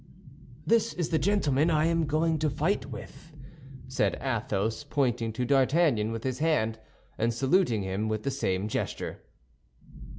"This is the gentleman I am going to fight with," said Athos, pointing to D'Artagnan with his hand and saluting him with the same gesture.